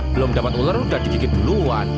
belum dapat ular udah digigit duluan